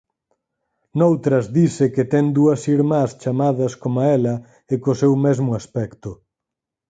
Noutras dise que ten dúas irmás chamadas coma ela e co seu mesmo aspecto.